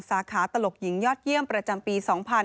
สาขาตลกหญิงยอดเยี่ยมประจำปี๒๕๕๙